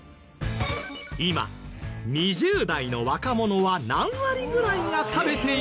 今２０代の若者は何割ぐらいが食べていると思う？